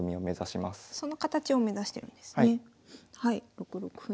６六歩に。